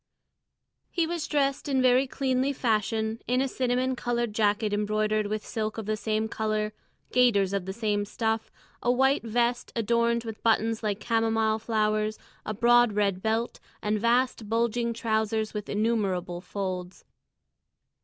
He was dressed in very cleanly fashion in a cinnamon coloured jacket embroidered with silk of the same colour, gaiters of the same stuff, a white vest adorned with buttons like chamomile flowers, a broad red belt, and vast bulging trousers with innumerable folds.